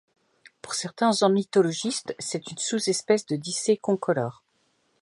Pour certains ornithologistes, c'est une sous-espèce de Dicée concolore.